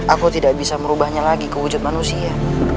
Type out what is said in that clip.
aku tidak bisa merubahnya lagi ke wujud manusia